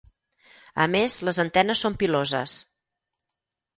A més les antenes són piloses.